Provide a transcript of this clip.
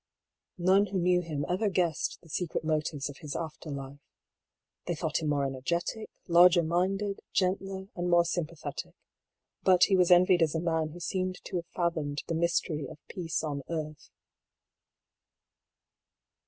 None who knew him ever guessed the secret motives of his afterlife. They thought him more energetic, larger minded, gentler, and more sympathetic. But he 276 I>R PAULL'S THEORY. was envied as a man who seemed to have fathomed the mystery of " peace on earth."